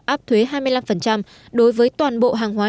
áp thuế hai mươi năm đối với toàn bộ hàng hóa